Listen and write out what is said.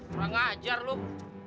kurang ajar loh